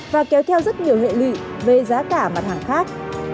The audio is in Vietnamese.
và kéo theo rất nhiều hệ lụy về giá cả mặt hàng khác